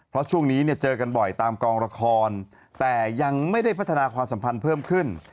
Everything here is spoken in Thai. เพราะช่วงนี้เนี่ยเจอกันบ่อยตามกองละครแต่ยังไม่ได้พัฒนาความสัมพันธ์เพิ่มขึ้น